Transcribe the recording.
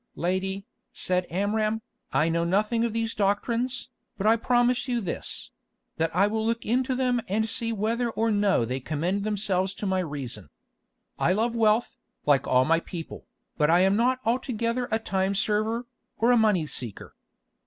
"Lady," said Amram, "I know nothing of these doctrines, but I promise you this: that I will look into them and see whether or no they commend themselves to my reason. I love wealth, like all my people, but I am not altogether a time server, or a money seeker.